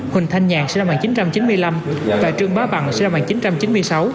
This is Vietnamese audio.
huỳnh thanh nhàn sinh năm một nghìn chín trăm chín mươi năm và trương bá bằng sinh năm một nghìn chín trăm chín mươi sáu